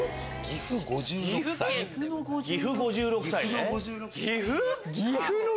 岐阜５６歳ね。